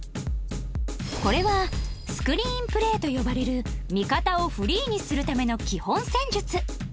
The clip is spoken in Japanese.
これはスクリーンプレーと呼ばれる味方をフリーにするための基本戦術